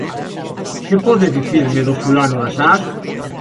Que podes dicirme do fulano das ás?